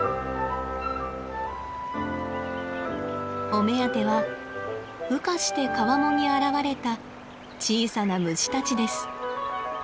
お目当ては羽化して川面に現れた小さな虫たちです。